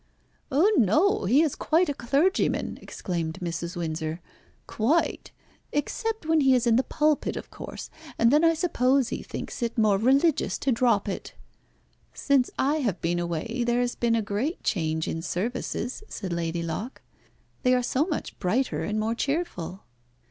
"Oh no, he is quite a clergyman," exclaimed Mrs. Windsor. "Quite; except when he is in the pulpit, of course. And then I suppose he thinks it more religious to drop it." "Since I have been away there has been a great change in services," said Lady Locke. "They are so much brighter and more cheerful."